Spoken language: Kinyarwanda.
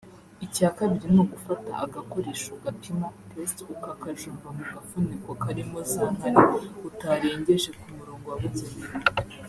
Icya kabiri ni ugufata agakoresho gapima (test) ukakajomba mu gafuniko karimo za nkari utarengeje ku murongo wabugenewe